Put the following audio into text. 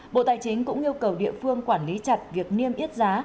bộ tài chính cũng yêu cầu địa phương quản lý chặt việc niêm yết giá